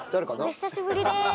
お久しぶりです。